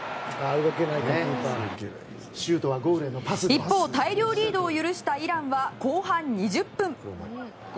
一方、大量リードを許したイランは後半２０分。